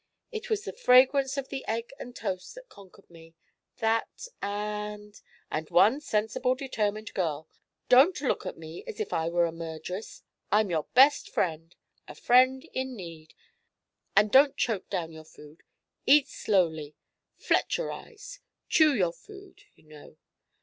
It was the fragrance of the egg and toast that conquered me. That, and " "And one sensible, determined girl. Don't look at me as if I were a murderess! I'm your best friend a friend in need. And don't choke down your food. Eat slowly. Fletcherize chew your food, you know.